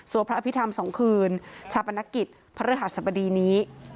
สัวพระอภิษฐรรม๒คืนชาวประณกิจพระฤทธิษฐรรมดีนี้